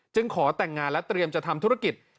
ขอแต่งงานและเตรียมจะทำธุรกิจ